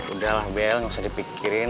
udah lah bel nggak usah dipikirin